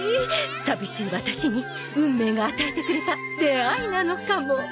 寂しいワタシに運命が与えてくれた出会いなのかも。